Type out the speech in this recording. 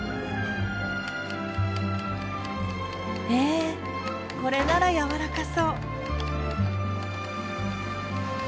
へえこれならやわらかそう。